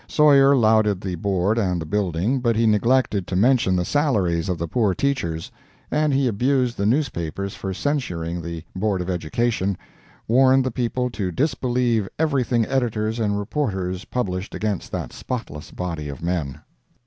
Sawyer lauded the Board and the building, but he neglected to mention the salaries of the poor teachers. And he abused the newspapers for censuring the Board of Education—warned the people to disbelieve everything editors and reporters published against that spotless body of men.